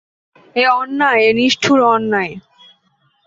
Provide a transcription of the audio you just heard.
এ অন্যায়, এ নিষ্ঠুর অন্যায়।